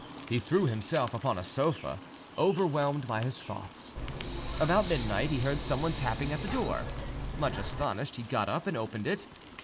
He threw himself upon a sofa, overwhelmed by his thoughts. About midnight he heard someone tapping at the door: much astonished, he got up and opened it.